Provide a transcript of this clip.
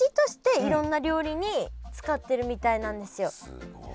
すごい。